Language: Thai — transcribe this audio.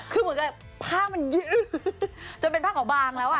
คือเหมือนกับผ้ามันยื้อจนเป็นผ้าขาวบางแล้วอ่ะ